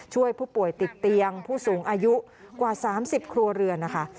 ช่วยผู้ป่วยติดเตียงผู้สูงอายุกว่า๓๐ครัวเรือนนะคะ